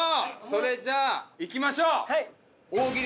それじゃいきましょう。